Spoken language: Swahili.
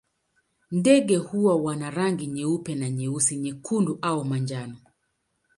Ndege hawa wana rangi nyeupe na nyeusi, nyekundu au ya manjano.